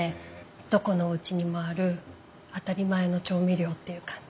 どこのおうちにもある当たり前の調味料っていう感じ。